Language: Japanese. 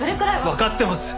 分かってます。